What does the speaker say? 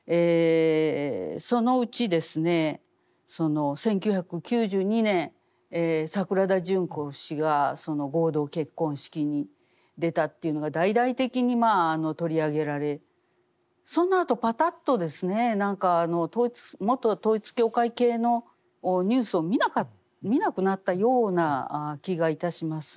そのうちですね１９９２年桜田淳子氏が合同結婚式に出たというのが大々的に取り上げられそのあとパタッとですね元統一教会系のニュースを見なくなったような気がいたします。